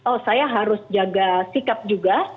oh saya harus jaga sikap juga